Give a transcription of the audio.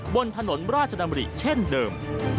บนถนนราชดำริเช่นเดิม